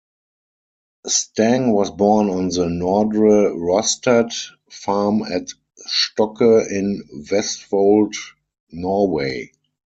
Stang was born on the Nordre Rostad farm at Stokke in Vestfold, Norway.